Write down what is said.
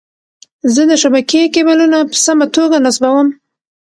زه د شبکې کیبلونه په سمه توګه نصبووم.